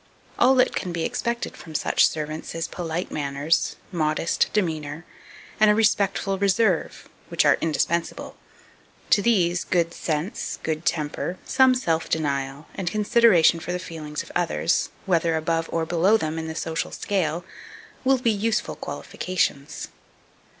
All that can be expected from such servants is polite manners, modest demeanour, and a respectful reserve, which are indispensable. To these, good sense, good temper, some self denial, and consideration for the feelings of others, whether above or below them in the social scale, will be useful qualifications.